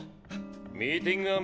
ミーティングはあ！